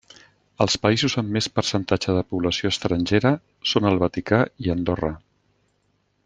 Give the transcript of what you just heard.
Els països amb més percentatge de població estrangera són el Vaticà i Andorra.